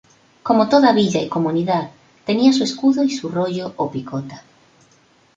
Como toda villa y comunidad, tenía su escudo y su rollo o picota.